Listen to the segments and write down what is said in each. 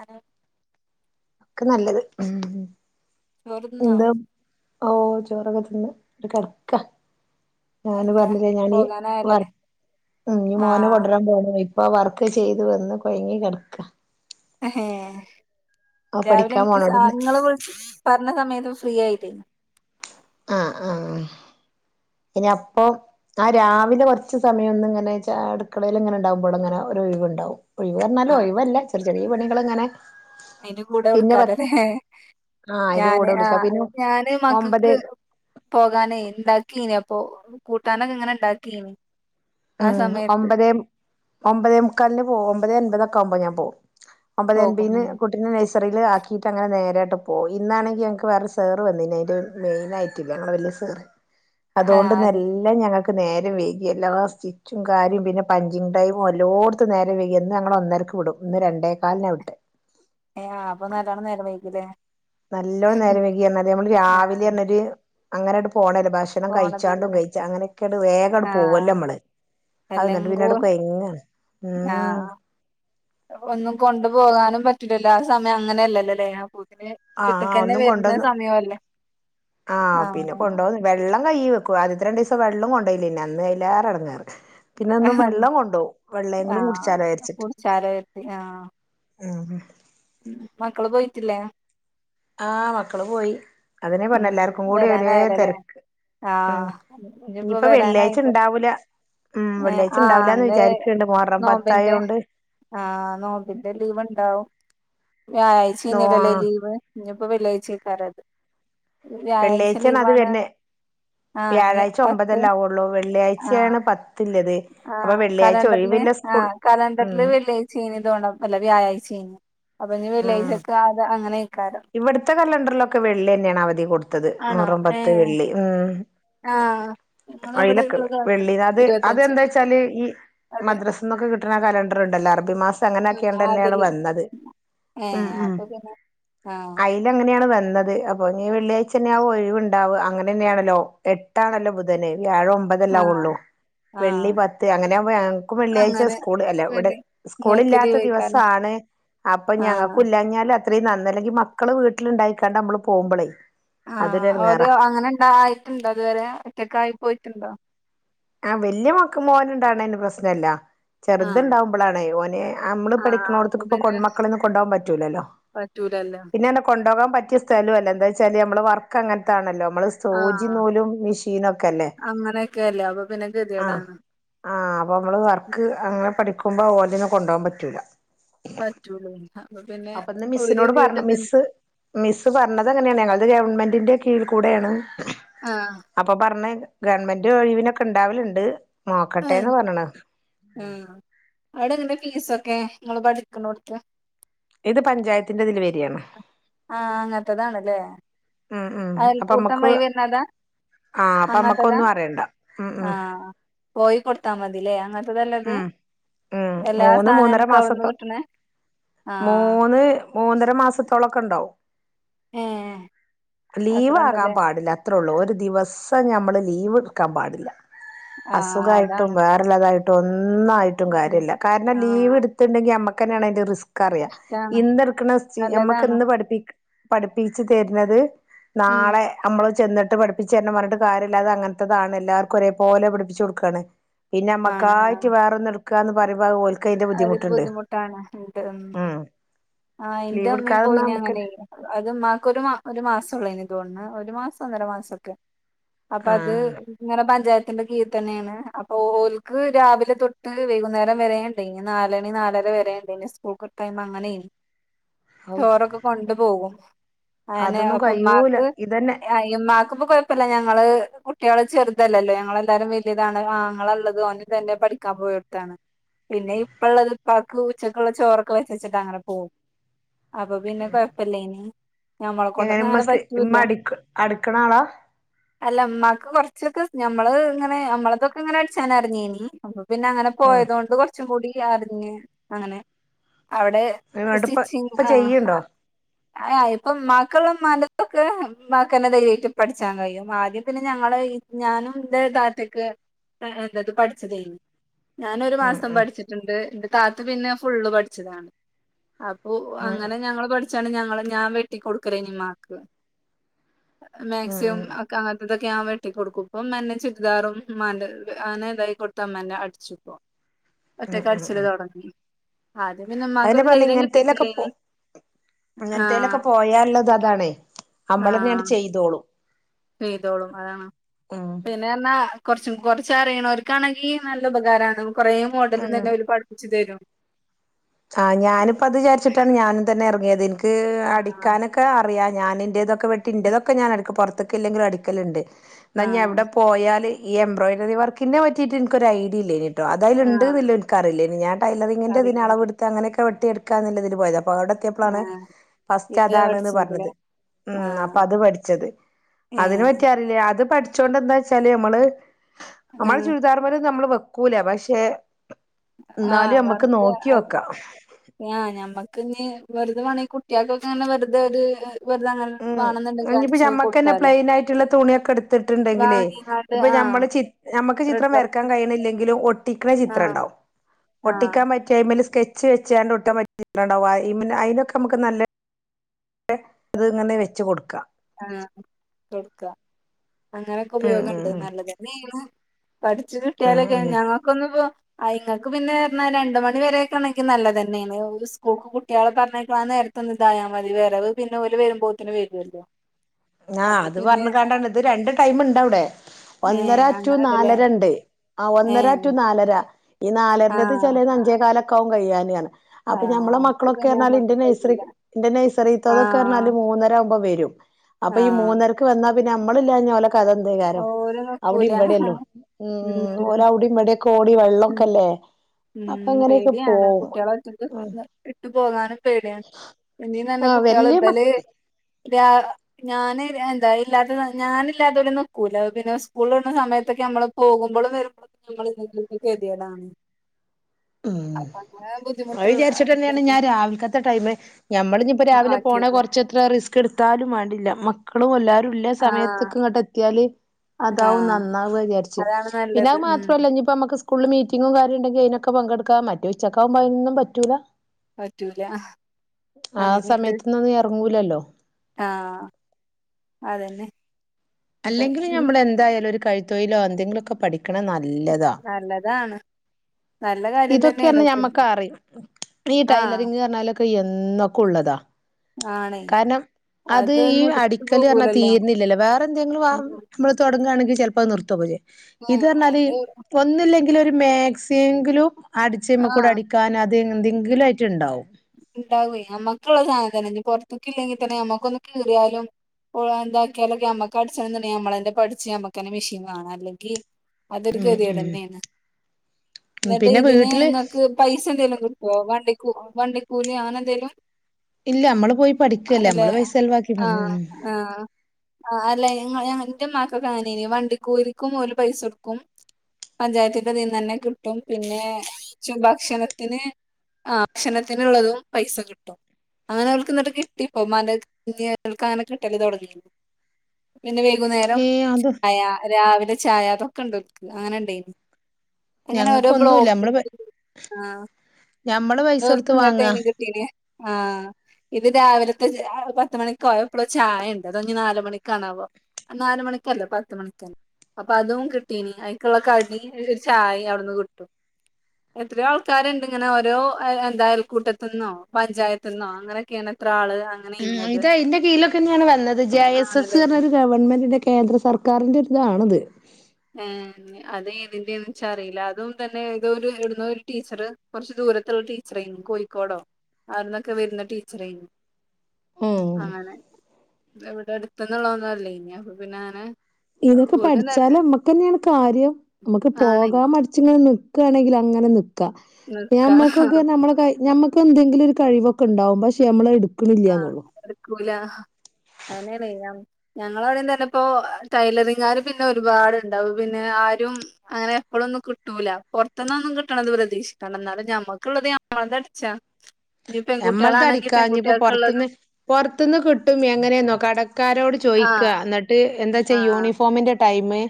Hello ഒക്കെ നല്ലത് ഉം ചോറ്ന്നോ ന്താ ഓഹ് ചോറൊക്ക തിന്ന് കെട്ക്ക ഞാന് കടക്ക പർഞ്ഞില്ലേ ഞാനീ വർ പോകാനായല്ലല്ലേ ഇഞ്ഞ്‌ മോനെ ആഹ് കൊണ്ടരാപോണം അപ്പൊ വർക്ക് ചെയ്ത് വന്ന് കൊഴ്ങ്ങി കെട്ക്ക എഹെ ആ രാവിലെ പഠിക്കാൻ അൻക്ക് പോണോട്ന്ന് സാർങ്ങള് വിൾച്ച് പർഞ്ഞ സമയത്ത് ഫ്രീയായി അഹ് ആഹ് അയ്ന അപ്പം ആഹ് രാവിലെ കൊർച്ച് സമയം ഒന്ന് ഇങ്ങനേ ച അട്ക്കളേല് ഇങ്ങനെ ഇണ്ടാവുമ്പോള്ങ്ങനെ ഒരൊഴിവ്ണ്ടാവും. ഒഴിവർഞ്ഞാല് ആഹ് ഒഴിവല്ല ചെറി ചെറീ പണീകള്ങ്ങനെ അയിന്റെ കൂടെ വിൾക്കാല്ലൊലേ ആഹ് അയിന്റെ ഞാന് കൂടെ വിളിക്കാ ആഹ് പിന്നെ ഞാന് ഒമ്പത് മക്കക്ക് പോകാനേ ഇണ്ടാക്കേനപ്പൊ കൂട്ടാനങ്ങങ്ങനെ ഇണ്ടാക്കേനി ഉം ഒമ്പതേ ഒമ്പതേമുക്കാൽന് പോവും. ഒമ്പതേ അൻപതൊക്കെ ആവ്മ്പോ ഞാൻ പോവും. ഒമ്പതേ പോകും അൻപീന്ന് ഉം ട്ടിനെ നഴ്സറീല് ആക്കീട്ട് അങ്ങനെ നേരെട്ടെ പോയി. ഇന്നാണങ്കി ഞങ്ങക്ക് വേറെ സേർ വെന്നീനി അയിന്റെ മെയിനായി ട്ടില്ല ഞങ്ങള വെല്ല്യ സേറ് ആഹ് അതെ അതോണ്ട്ന്നെല്ലാം ഞങ്ങക്ക് നേരം വൈകി എല്ലാ ചിച്ചും കാര്യും പിന്നെ പഞ്ചിങ്ടൈമും എല്ലോട്ത്തും നേരം വൈകി എന്നും ഞങ്ങളെ ഒന്നരക്ക് വിടും ഇന്ന് രണ്ടേക്കാൽനാ വിട്ടേ ഏഹ് ആഹ് അപ്പൊ നല്ലോണം നേരം വെയ്കില്ലേ നല്ലോണം നേരം വൈകി അർഞ്ഞാല് നമ്മള് രാവിലെ ആഹ് ർഞ്ഞൊര് അങ്ങനണ്ട് പോണല്ല ഭശ് ണംകഴിച്ചാണ്ടും പോണതല്ലല്ലേ കഴിച്ച അങ്ങനെക്കാണ്ട് വേഗാണ്ട് പോവല്ലോ ആഹ് അമ്മള് അഹ് ന്നിട്ട് പിന്നാട് എല്ലങ്കൂടെ കൊയ്ങ്ങാ ഉം ആഹ് ഒന്നും കൊണ്ടുപോകാനും പറ്റുലല്ലോ ആ സമയം അങ്ങനെയെല്ലല്ലലേ അപ്പോത്തിന് ആഹ് വീട്ട്ക്കന്നെ ഒന്നും വരുന്ന കൊണ്ടന്ന് സമയല്ലേ ആഹ് പിന്നെ കൊണ്ടോന്ന് വെള്ളം കയ്യ് വെക്കും. ആദ്യത്തെ രണ്ടീസം വെള്ളം കൊണ്ടോയിലെയ്ന് അന്ന് അയ്ലേറെ എടങ്ങേറ് പിന്നെന്നും വെള്ളം കൊണ്ടോവും. വെള്ളേങ്കിലും കുടിച്ചാലോ ആഹ് യാര്ച്ചിട്ട് കുടിച്ചാലോ കരുതി ആഹ് ഉം മക്കള് പോയിട്ടില്ലേ? ആഹ് മക്കള് പോയി. അതന്നെ പർഞ്ഞ് ഉം എല്ലാർക്കും കൂടി ഒരേ വരാനായല്ലോല്ലേ തെര്ക്ക് ഉം ആഹ് ഇനിയിപ്പോ ഇഞ്ഞ്‌പ്പ വരാനായിപ്പോ വെള്ളിയാഴ്ച്ചണ്ടാവൂല. ഉം ഏഹ് ആഹ് വെള്ളിയാഴ്ച്ചണ്ടാവൂലാന്ന് അന്ന് വിചാരിക്ക്ണ്ട്. മുഹറം നോമ്പിന്റെ പത്തായോണ്ട് ആഹ് നോമ്പിന്റെ ലീവ്ണ്ടാവും നോ വ്യാഴായ്ച്ചേന്നല്ലൊലേ ആഹ് ലീവ് ഇഞ്ഞ്പ്പൊ വെള്ളിയായ്ച്ചേക്കാരം വെള്ളിയായ്ച്ചേണത് വര്ണ് ആഹ് ഇനി വ്യാഴാഴ്ച്ച പത്ത് ഒമ്പതല്ലെ ആവൊള്ളൂ വെള്ളിയായ്‌ച്ചേണ് പ ആഹ് കലണ്ടറ്‌ല് സ്കൂൾ ആഹ് കലണ്ടറ്‌ല് ഉം വെള്ളിയാ ഴ്ച തോണെ അല്ല വ്യാഴായ്ച്ചേന് അപ്പൊഞ്ഞ് വെള്ളിയാഴ്ച്ചക്ക് അത് അങ്ങനെയ്ക്കാരം ഇവട്ത്തെ കലണ്ടർലൊക്കെ വെള്ളിയന്നേണ് അവധി കൊട്ത്തത് ആണോ മുഹറം ഏ പത്ത് വെള്ളി ഉം ആ ഞങ്ങളെ ഇവിടെ അയ്ലൊക്കെ ഇള്ള വെ കലണ്ടർ വെള്ളി അത് ഇരുപത്തഞ്ച് അതെന്താച്ചാല് ഈ അതെ മദ്രസ് ന്നൊക്കെ കിട്ട്ണ കലണ്ടറ്ണ്ടല്ലോ. അർബി മാസം അങ്ങനാക്കിയണ്ടെന്നേണ് ആതില് വന്നത് ഉം ഉം ആഹ് അയ്ലങ്ങനേണ് വന്നത് അപ്പൊഞ്ഞ് വെള്ളിയാഴ്ച്ചന്നെയാവും ഒഴിവ്ണ്ടാവ അങ്ങനെന്നെയാണല്ലോ എട്ടാണല്ലോ ബുധന് വ്യാഴം ആ ഒമ്പതല്ലെ ആവൊള്ളൂ ആ വെള്ളി പത്ത് അങ്ങനാവുമ്പ ഞങ്ങക്കും വെള്ളിയാഴ്ച അങ്ങനെ സ്കൂള് അല്ല ഇവ്ടെ വെള്ളി ഇങ്ങക്ക് സ്കൂള്ല്ലാത്ത ലീവെയ്ക്കാരം ദിവസാണ് അപ്പൊ ആ ഞങ്ങക്കുല്ലാഞ്ഞാല് അ ത്രീം നന്ന് അല്ലെങ്കി മക്കള് വീട്ടില്ണ്ടായിക്കാണ്ട് അമ്മള് പോമ്പളെയ് ആഹ് ഓര് അങ്ങനെണ്ടയയിട്ട്ണ്ടോ ഇത് വരെ ഒറ്റക്കായി പോയിട്ട്ണ്ടോ? ആഹ് വല്ല്യ മോക്ക് മോന്ണ്ടാവ്ണേന് പ്രശ്നല്ല ആ ചെർത്ണ്ടാവുമ്പളാണെയ് ഓന് അമ്മള് ആ പഠിക്കണോട്ത്ത്ക്ക്പ്പൊ കൊൺ മക്കളൊന്നും കൊണ്ടാവാൻ പറ്റൂലല്ലോ. പറ്റൂലല്ലൊ പിന്നാണെ കൊണ്ടോവാൻ പറ്റിയ സ്ഥലും അല്ല എന്താച്ചാല് നമ്മളെ വർക്ക് അങ്ങൻത്താണല്ലോ നമ്മള് സൂചിം നൂലും മിഷീനൊക്കല്ലേ. അങ്ങനെക്കെയല്ലേ അപ്പൊ പിന്നെ ആഹ് ഗതികേടാണ് ആഹ് അപ്പ മ്മള് ഉം. വർക്ക് അങ്ങനെ പഠിക്ക്മ്പോ ഓലെന്നും കൊണ്ടോവാ പറ്റൂല. പറ്റൂലയ്ന് അപ്പ പിന്നെ അപ്പൊ ഇന്ന് ഒര് മിസ്സിനോട് പറഞ്ഞു വീട്ട്ത്തന്നെ മിസ്സ് മിസ്സ് പർഞ്ഞതങ്ങനേണ് ഞങ്ങൾത് ഗവൺമെന്റിന്റെ കീഴിക്കൂടേണ് ആഹ് അപ്പ പർഞ്ഞ് ഗവൺമെന്റ് ഒഴിവിനൊക്കെണ്ടാവല്ണ്ട് നോക്കട്ടേന്ന് പർഞ്ഞ്ണ്. ഉം അവ്ടെങ്ങനെ ഫീസൊക്കെ ഇങ്ങള് പഠിക്ക്ണോട്ത്ത്? ഇത് പഞ്ചായത്തിന്റെ തില് വരാണ്. ആഹ് അങ്ങൻത്തതാണ്ലേ ഉം ഉം അയൽകൂട്ടം വഴി വര്ന്നതാ? ആഹ് അപ്പമ്മക്കൊന്നും അറിണ്ട ഉം ഉം ആഹ് പോയി കൊട്ത്താ മതിലേ അങ്ങൻത്തതല്ലേത്? ഉം ഉം മൂന്ന് മൂന്നര മാസത്തെ ആഹ് മൂന്ന് മൂന്നര മാസത്തോളൊക്കെണ്ടാവും ഏഹ് അത്ര ലീവാകാൻ ഉണ്ടല്ലേ പാടില്ല. ത്രൊള്ളു ഒര് ദിവസം ഞമ്മള് ലീവ്ട്ക്കാൻ പാടില്ല ആഹ് അസുഖായിട്ടും അതാണ് വേ ള്ളതായിട്ടും ഒന്നായിട്ടും കാര്യല്ല കാരണം ആഹ് ലീവ്ട്ത്തിണ്ടെങ്കി അമ്മക്കന്നേണ് അയ്ൻ്റെ റിസ് കറിയ ഇഷ്ടാണ് ഇന്ന്ട്ക്ക്ണ സി നല്ലതാണ് നമ്മക്ക്ന്ന് പഠിപ്പി പഠിപ്പിച്ച് തര്ന്നത് ഉം നാളെ ഞമ്മള് ചെന്ന്ട്ട് പഠിപ്പിച്ചെര്ണം പർഞ്ഞ്ട്ട് കാര്യല്ല അതങ്ങൻത്തതാണ് എല്ലാർക്കൊരേ പോലെ പഠിപ്പിച്ചൊട്ക്കാണ്. ആണ് പിന്നമ്മക്കായിട്ട് ആണ് വേറൊന്ന്ട്ക്കാന്ന് പറിമ്പ അതോൽ അതൊരു ബുദ്ധിമുട്ടാണ് ഇണ്ട് ഉം ആഹ് ലീവ് ഇന്റെമ്മിം എടുക്കാതെന്നാ നമുക്ക് പോയിനങ്ങനെയ് അത് മ്മാക്കൊരു മാ ഒരു മാസൊള്ളേയ്ന് തോന്ന്ണ് ഒരു മാസൊന്നര മാസൊക്കെ അപ്പത് ആഹ് ഇങ്ങനെ പഞ്ചായത്തിന്റെ കീഴിത്തന്നേണ് അപ്പ ഓൽക്ക് രാവിലെ തൊട്ട് വൈകുന്നേരം വരെ നി നാലണി നാലര വരെണ്ടേനി സ്കൂൾക്ക് ടൈം അങ്ങനെയ് ഔ ചോറൊ കൊണ്ട് പോകും അങ്ങനെ അതൊന്നും ഒപ്പം കഴിയൂല മ്മാക്ക് ഇതന്നെ അയ്മാ ക്കുമ്പ കൊഴപ്പല്ല ഞങ്ങള് കുട്ട്യളെ ചെർതല്ലല്ലോ ഞങ്ങളെല്ലാരും വല്യതാണ് ആങ്ങളള്ളത് ഒൻ്റേ തന്നെ പഠി ക്കാബോയോട്ത്താണ് പിന്നെ ഇപ്പള്ളത് ഇപ്പാക്ക് ഉച്ചക്ക് ഉള്ള ചോറൊക്കെ വെച്ചച്ചിട്ട് അങ്ങനെ പോകും. അപ്പ പിന്നെ കൊഴപ്പല്ലേനി ഞമ്മളെ എങ്ങനെ കൊണ്ടൊന്നും അങ്ങനെ മസ്‌ക് പറ്റൂല്ല ഇമ്മടിക്ക് അട്ക്ക്ണ ആളാ? അല്ല ഇമ്മാക്ക് കൊർച്ചൊക്കെ ഞമ്മള് ഇങ്ങനെ ഞമ്മളതൊക്കെ ഇങ്ങനെ അടിച്ചാന അർഞ്ഞീനി അപ്പം പിന്നെ അങ്ങനെ പോയതോണ്ട് കൊർച്ചും കൂടി അർഞ്ഞ് അങ്ങനെ അവടെ ഇങ്ങട്ട് പ്പ ഇപ്പ ചെയ്യ്ണ്ടോ? ഏയ് പ്പ ഇമ്മാക്ക്ള്ള ഇമ്മാൻ്റതൊക്കെ ഇമ്മാക്കന്നെ ധൈര്യായിട്ട് പഠിച്ചാൻ കഴിയും. ആദ്യം പിന്നെ ഞങ്ങള് ഈ ഞാനും ന്റെ താത്തക്ക് എഹ് ഏഹ് ന്തത് പഠിച്ചതേനി ഞാനൊരു ഉം മാസ് ഉം ട്ടിണ്ട് ഇന്റെ താത്ത പിന്നെ ഫുള്ള് പഠിച്ചതാണ് അപ്പോ ഉം അങ്ങനെ ഞങ്ങള് പഠി ച്ചാല് ഞങ്ങള് ഞാൻ വെട്ടി കൊട്ക്കലേനി മ്മാക്ക് അഹ് ഉം മാക്സിയും ക്കെ അങ്ങൻത്തത് ഞാൻ വെട്ടി കൊടുക്കും ഇപ്പം തന്നെ ചുരിദാറും ഇമ്മാൻ്റെ അങ്ങനെ ഇതായി കൊട്ത്താ ഇമ്മന്നെ അട്ച്ച് പ്പം. ഉം ഒറ്റക്ക് ഉം ഉം അട്ച്ചല് തൊടങ്ങി ആദ്യം പിന്നെ ഇമ്മാക്ക് അതന്നെ ഒരു ധൈര്യം കിട്ടിയിട്ടില്ലേനി. അങ്ങൻത്തേലൊക്കെ ആഹ് പോയാള്ളത് അതാണേ നമ്മളെന്നെ ആഹ് ചെയ്തോളും. ചെയ്തോളും അതാണ് ഉം പേ പിന്നെന്നാ കൊർച്ചും കൊർച്ച് അറിണോര്ക്കാണെങ്കി നല്ല ഉപകാരാണ് കൊറേ മോഡലും ഉം തന്നെ ഓര് പഠിപ്പിച്ച് തരും. ആഹ് ഞാനിപ്പ അത് ചാരിച്ചിട്ടാണ് ഞാനും തന്നെ എർങ്ങിയത് ഇൻക്ക് ആഹ് അടിക്കാൻ ക്കെ അറിയ ഞാന് ന്റേത് ഒക്കെ വെട്ടി ഇന്റേതൊക്കെ ഞാൻ അടിക്കും പൊർത്ത്ക്ക്ല്ലെങ്കിലും അടിക്കല്ണ്ട്. ന്നാ ഞാ ആഹ് അവ്ടെ പോയാല് ഈ എംബ്രോയ്ഡ് വർക്കിനെ പറ്റിട്ട് ഇൻക്കൊരു ഐഡിയല്ലെനി. അത് അതിലുണ്ട് ആഹ് ബില്ല് എടുക്കാറില്ലെന്ന് ഞൻ ടൈലറിന്റെ ഇതിന് അളവ് അറിയില്ലെങ്കിൽ അങ്ങനൊ ഒക്കെ വെട്ടി എട്ക്കാന്നുള്ളതില് പോയത് അപ്പോ അവി പ്പളാണ് ആഹ് ഫസ്റ്റ് ഇത് അതാണ്ന്ന് പറഞ്ഞത് പഠിച്ചേക്കല്ലേ ഉം അപ്പൊ ആഹ് അത് പഠിച്ചത് അതിന് ഏഹ് പറ്റാറില്ല അത് പഠി ച്ചോണ്ട് എന്താ വെച്ചാല് നമ്മള് നമ്മള് ആഹ് ചുരിദാറ് പോലെ നമ്മള് വെക്കൂല പക്ഷെ എന്നാലും നമ്മക്ക് നോക്കി നോകാം ഞാ ഞമ്മക്ക് നീ വെറുതെ വേണെങ്കി കുട്ടികൾക്കൊക്കെ അങ്ങനെ വെറുത ഒരു വെറുതെ അങ്ങനെ അ് വേണെന്നുണ്ടെങ്കിൽ ഇനിയിപ്പോ അടിച്ചു ഞമ്മക്ക്ന്നെ കൊടുക്കാലോ പ്ലെയിൻ ആയിട്ടുള്ള തുണിയൊക്കെ എടുത്തിട്ടുണ്ടെങ്കിലേ വാങ്ങിങ്ങാണ്ട് ഇപ്പം ആഹ് നമ്മള് ചിത് നമുക്ക് ത്രെഡ് ചിത്രം വരക്കാൻ വർക്ക് കഴിയണില്ലെങ്കിലും ഒട്ട് ട്ടിക്കണ ചിത്രം ആഹ് ഉണ്ടാവും ആഹ് ഒട്ടിക്കാൻ പറ്റ മിൽ സ്കെച്ച് വെച്ചാണ്ട് ഒട്ട പറ്റിക്കാണ്ടാവ അതിനൊക്കെ നമുക്ക് നല്ല അത് ഇങ്ങനെ വെച്ച് കൊടുക്കാം ആഹ് കൊടുക്ക അങ്ങനെയൊക്കെ ഉം ഉപയോഗം ഉണ്ട് ഉം നല്ലത് തന്നെയാണ് പഠിച്ചു ഉം കിട്ടിയാലൊക്കെ ഉം ഉം ഞങ്ങൾക്കൊന്നും ഇപ്പോ ആയി ഇങ്ങൾക്ക് പിന്നെ എന്നാ രണ്ട് മണി വരെയൊക്കെണെങ്കിൽ നല്ലതന്നെയാണ് ഒരു സ്കൂൾക്ക് കുട്ടികളെ പറഞ്ഞയക്കാന് വരവായാമതി വിരവ് പിന്നെ ഓര് വരുമ്പോത്തന്നെ വരുല്ലോ ആ അത് പറഞ്ഞു കണ്ടാണ് ഇത് രണ്ട് ടൈമ് ഇണ്ട് അവിടെ ഒന്നര ഏഹ് റ്റൂ അങ്ങനെണ്ടല്ലേ നാലര ഉണ്ട് ആ ഒന്നര ഏഹ് റ്റൂ നാലര ഈ നാലരേത് ആഹ് ചിലത് അഞ്ചേകാലൊക്കാവും കഴിയെണ്ടിയാണ് അപ്പൊ ആഹ് ഞമ്മളെ അപ്പൊ മക്കളൊക്കെ പിന്നെ എന്നാൽ നമ്മക്ക് പറ്റൂല ഇന്റെനനുസരിച്ച് എന്റെ നൈസറിതതൊക്കെ ആഹ് പറഞ്ഞാല് മൂന്നര ആകുമ്പോ വരും അപ്പൊ ഈ ആഹ് മൂന്നരക്ക് വന്നാ പിന്നെ നമ്മളില്ലാഞ്ഞ അതിൻ്റെ വിചാരം ഓര് അവിടെ നിക്കൂല ഇമ്പടെല്ലോ ഉം ഓള് അവിടെ ഇമ്പടെക്കെ കോടി വെള്ളമൊക്കെല്ലേ ഉം പേടിയാണ് കുട്ടികള് ഒറ്റക്ക്ന്ന് ഇട്ട് പോകാനും പേടിയാണ് ഇന്നീ വരുന്ന ആഹ് കുട്ടികള് വല്യ ഇപ്പലെ മക്ക രാ ഞാന് എന്താ ഇല്ലാത ഞാന് ഇല്ലാതുപോന്ന് കുലാബിലാ സ്കൂള് ഉള്ള സമയത്തൊക്കെ നമ്മള് പോകുമ്പോഴും വരുമ്പോ നമ്മള് [unintelligible] ആഹ അപ്പൊ അങ്ങനെ അത് ബുദ്ധിമുട്ടുള്ള വിചാരിച്ചിട്ട് തന്നെയാണ് ഞാൻ രാവിലത്തെ ടൈമിംഗ് ഞമ്മള് ഇപ്പോ രാവിലെ പോണ ആക്കിയത് കൊറച്ച് എത്ര റിസ്ക് എടുത്താലും വേണ്ടില്ല. മക്കളും എല്ലാവാരും ഉളള സമയത്ത് ആഹ് ഇങ്ങോട്ട് എത്തിയാല് അതാവും ആഹ് നന്നാവുആന്ന് വിചാരിച്ചു അതാണ് പിന്നെ നല്ലത് അത് ഉം മാത്രല്ല ഇപ്പം നമുക്ക് സ്കൂളിൽ മീറ്റിങ്ങും കാര്യവുണ്ടെങ്കിൽ അതിനൊക്കെ പങ്കെടുക്കാം മറ്റ് ഉച്ചക്കാവുമ്പോ അതിനൊന്നും പറ്റൂല്ല പറ്റൂല ആ സമയത്തിന് ഒന്നും നീ ഇറങ്ങൂലല്ലോ ആഹ അതന്നെ ഇപ്പൊ അല്ലെങ്കിൽ നമ്മൾ എന്തായാലും ഒരു കൈ തൊഴിലോ എന്തങ്കിലൊക്കെ പഠിക്കണം നല്ലതാണ് നല്ല കാര്യം ഇതൊക്കെ തന്നെയാണ് പിന്നെ ഞമ്മക്കറിയാം ഈ ആഹ് ടൈലറിങ്ന്ന് പറഞ്ഞാല് ഇതൊക്കെ എന്നൊക്കെ ഉള്ളതാ ആണേ കാരണം അത് ഈ അതൊന്നും എടുത്തു അടിക്കല് പറഞ്ഞാൽ പോകൂലല്ലോ തീരുന്നില്ലല്ലേ വേറെ എന്തെങ്കിലും വാ ഉം നമ്മള് തുടങ്ങുകയാണെങ്കിൽ ചെലപ്പോ അത് നിർത്തു ഒക്ക ചെയ്യും ഇത് ന്ന് പറഞ്ഞാല് അത് ഒന്നുല്ലെങ്കിലിലും ഒരു മാക്സിയെങ്കിലും അടിച്ച് നമ്മക്കൂട ആഹ് അടിക്ക അത് എന്തെങ്കിലും ആയിട്ട് ഉണ്ടാവും ഉണ്ടാവും നമ്മുക്കുള്ള സാധനം പുറത്തൊക്ക ഇല്ലെങ്കിൽ തന്നെ നമ്മക്കൊന്ന് കയറിയാലും എന്താക്കിയാലൊക്കെ നമ്മക്ക് അടിച്ചുണ്ടെ നമ്മളെന്റെ പഠച്ച് നമ്മക്കെന്നെ മെഷീൻ വാങ്ങാം അല്ലെങ്കിൽ അതൊരു ഉം ഗതികേട് ഉം തന്നെയാണ് എന്നിട്ട് പിന്നെ ഇതിനെ വീട്ടില് ഇങ്ങക്ക് പൈസ എന്തങ്കിലും കിട്ടോ വണ്ടി കൂലി വണ്ടി കൂലി ആണെങ്കിലും ഇല്ല നമ്മള് പോയി പഠിക്കുവല്ലേ നമ്മള് പൈസ ചിലവാക്കി ആഹ ആ അല്ല എന്റെമക്കൾക്ക് അങ്ങനേനു വണ്ടി കുലിക്കും ഓല് പൈസ കൊടുക്കും പഞ്ചായത്തിന്റെ നീന്ന് തന്നെ കിട്ടും പിന്നെ ഭക്ഷണത്തിന് ആ ഭക്ഷണത്തിനുള്ളതും പൈസ കിട്ടും അങ്ങനെ ഓൽക്ക് ഇങ്ങട്ട് കിട്ടിപ്പോ [unintelligible] അങ്ങനെ കിട്ടല് തുടങ്ങി പിന്നെ വൈകുന്നേരം ഏഹ് അത് ചായ രാവിലെ ചായ അതൊക്കെ ഉണ്ടോർക്ക് അങ്ങനെ ഇണ്ടായിരുന്നു എങ്ങനെ ഓരോ ഞങ്ങക്കൊന്നുല്ല നമ്മള് ബ്ലോക്ക്ണ്ട് ആ ഞമ്മള് പൈസ അവർക്കു കൊടുത്ത് ഇങ്ങെ വാങ്ങാ ടൈമില് കി ട്ടിന്നിയെ ആഹ് ഇത് രാവിലത്തെ ചായ പത്ത്മണിക്കൊ എപ്പള്ളോ ചായ ഉണ്ട് അതൊ ഇനി നാലുമണിക്കാണാവോ. നാല് മണിക്കല്ല പത്ത് മണിക്കാണ് അപ്പൊ അതും കിട്ടീനി അയ്ക്കുള്ള കടിയും [unintelligible] ചായ അവിടുന്ന് കിട്ടും എത്രയോ ആൾക്കാരുണ്ട് ഇങ്ങനെ ഓരോ എന്താലും കൂട്ടത്തിന്നോ പഞ്ചായത്തിന്നോ അങ്ങനെഓക്കെയാണ് എത്ര ആള് അങ്ങനെ ഇനി ഉം അത് ഇത് അയിന്റെ കീഴിലൊക്കെ തന്നെയാണ് വന്നത്. ജെ. എസ് എസ് ആണല്ലേ പറഞ്ഞ ഒരു ഗവൺമെന്റിന്റെ കേന്ദ്ര സർക്കാരിന്റെ ഇതിലാണത് ആഹ് അത് ഇതിന്റെ കുറിച്ച് അറിയില്ല അതും തന്നെ ഇത് ഒരു ഇടുന്ന ഒരു ടീച്ചറ് കുറച്ച് ദൂരത്തുള്ള ടീ ച്ചറെ കോഴിക്കോടോ അവിടുന്നൊക്കെ വരുന്ന ടീച്ചറായിരുന്നു ഉം അങ്ങനെ ഇവിടെ അടുത്തോന്നുഉള്ളതൊന്നും അല്ലെനി അപ്പ പിന്നെ അങ്ങനെ ഇതൊക്കെ ഓലും തന്നെ പഠിച്ചാല് നമ്മക്ക് തന്നെയാണ് കാര്യം നമ്മുക്ക് ആണ് പോകാൻ മടി ച്ചിങ്ങനെ നിക്കണെങ്കിൽ അങ്ങനെ നിക്കാ പിന്നെ നിക്ക നമ്മക്കൊക്കെ നമ്മടെ കാര്യ നമ്മ ക്കെന്തെങ്കിലും ഒരു കഴിവൊക്കെ ഉണ്ടാവും പക്ഷേ നമ്മള് എടുക്കണില്ല്യന്നുള്ളു. എട്ക്കൂല അങ്ങനെയാണെ ഞ ഞങ്ങളെ അവിടെയും തന്നെ ഇപ്പോ ടൈലറിംഗ് കാര് പിന്നെ ഒരുപാട്ണ്ടാവും പിന്നെ ആരും അങ്ങനെ എപ്പോഴൊന്നും കിട്ടൂല പുറത്ത് നിന്നൊന്നും കിട്ടണത് പ്രതീക്ഷിക്കണ്ട എന്നാലും ഞമ്മക്കുള്ളത് ഞമ്മളത് അടിച്ചാ ഇനി നമ്മളത് പെൺകുട്ടികളാണെങ്കി അടിക്കാഞ്ഞിപ്പം പുറത്തുന്ന് പെൺകുട്ടികൾക്കുള്ളതും പുറത്തു നിന്ന് കിട്ടും എങ്ങനെയെന്നോ കടക്കാരോട് ചോയിക്കുക ആഹ് എന്നിട്ട് എന്താ വച്ചാ ആഹ് യൂണിഫോമിന്റെ ടൈമ്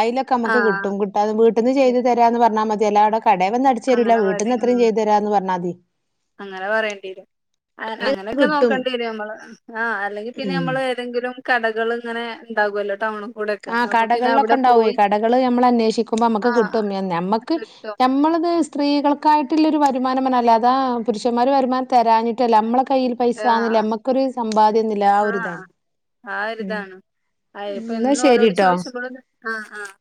അയിലൊക്കെ നമക്ക് ആഹ് കിട്ടും കിട്ടാതെ വീട്ടിന്ന് ചെയ്ത് തരാന്ന് പറഞ്ഞാൽ മതിഎല്ലാടെ കടെ വന്ന് അടച്ച് അങ്ങനെ മതി തരുല്ലവീട്ടീന്ന് ആത്ര ഉം ചെയതു തരാന്ന് പറഞ്ഞാ മതി അങ്ങനെ പറയേണ്ടി വരും അങ്ങന അങ്ങനെയൊക്കെ കിട്ടും നോക്കേണ്ടി വരും നമ്മള് ആ അല്ലെങ്കിൽ പിന്നെ ഉം നമ്മള് ഏന്തെങ്കിലും കടകൾ ഇങ്ങനെ ഉണ്ടാകുമല്ലോ ടൗണും ആ കടകൾലൊക്കെ ഉണ്ടാവ്വേ കടകൾ നമ്മൾ അന്വേഷിക്കുമ്പോ നമ്മുക്ക് ആഹ് കിട്ടും ഞാ നമ്മക്ക് കിട്ടും നമ്മളത് സ്ത്രീകൾക്കായിട്ടുള്ളൊരു വരുമാനമെന് അല്ലാതാ പുരുഷന്മാര് വരുമാനം തരാഞ്ഞിട്ടല്ല നമ്മളെ കയ്യിൽ പൈസാന്നില്ല ആഹ് നമ്മക്കൊരു സമ്പാദ്യ ഒന്നില്ല ആ ഒരിതാണ് ആഹ് ആ ഉം ഒരിതാണ് അയിപ്പ എന്നാ എന്നും ഓലോട് ശരിട്ടോ ചോദിച്ചപ്പോളുന്ന് ആഹ് ആഹ്